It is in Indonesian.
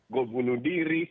gue bunuh diri